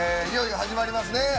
いよいよ始まりますね。